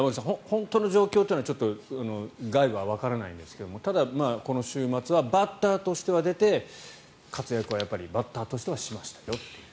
本当の状況というのは外部はわからないんですがただ、この週末はバッターとしては出て活躍はやっぱりバッターとしてはしましたよと。